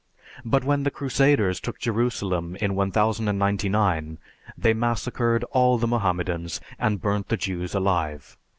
But when the Crusaders took Jerusalem in 1099, they massacred all the Mohammedans, and burnt the Jews alive.